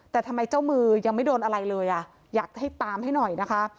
แต่ทำไมเจ้ามือยังไม่โดนอะไรเลยอ่ะอยากให้ตามให้หน่อยนะคะ